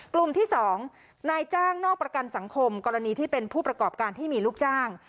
กลุ่มที่๒นายจ้างนอกประกันสังคมกรณีที่เป็นผู้ประกอบการที่มีลูกจ้าง